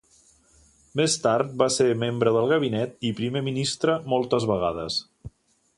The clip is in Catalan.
Més tard va ser membre del gabinet i Primer Ministre moltes vegades.